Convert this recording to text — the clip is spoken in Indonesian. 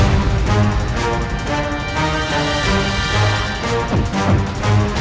aku akan mengunggurkan ibumu sendiri